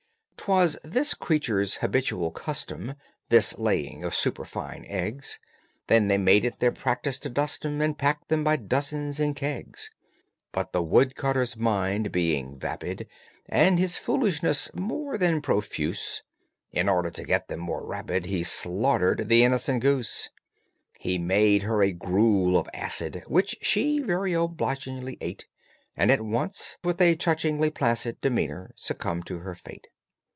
Twas this creature's habitual custom, This laying of superfine eggs, And they made it their practice to dust 'em And pack them by dozens in kegs: But the woodcutter's mind being vapid And his foolishness more than profuse, In order to get them more rapid He slaughtered the innocent goose. He made her a gruel of acid Which she very obligingly ate, And at once with a touchingly placid Demeanor succumbed to her fate.